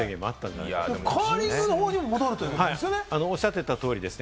カーリングのほうにも、戻るってことですよね。